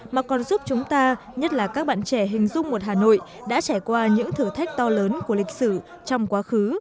mà còn giúp chúng ta nhất là các bạn trẻ hình dung một hà nội đã trải qua những thử thách to lớn của lịch sử trong quá khứ